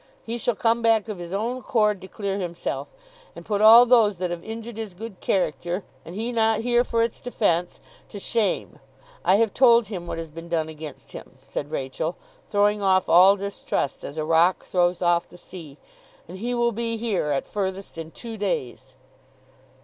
He shall come back of his own accord to clear himself, and put all those that have injured his good character, and he not here for its defence, to shame. I have told him what has been done against him,' said Rachael, throwing off all distrust as a rock throws off the sea, 'and he will be here, at furthest, in two days.